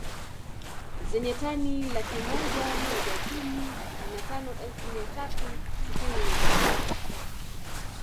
Zenye tani laki moja moja kumi na tano elfu mia tatu sitini na tisa